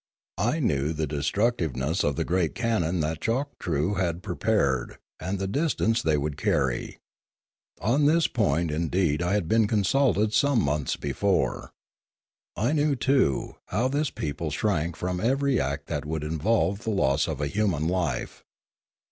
I knew the destine tiveness of the great cannon that Choktroo had pre pared, and the distance they would carry. On this point indeed I had been consulted some months before. I knew, too, how this people shrank from every act that would involve the loss of a human life.